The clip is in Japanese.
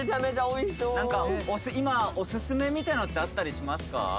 何か今オススメみたいなのってあったりしますか？